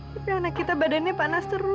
tapi anak kita badannya panas terus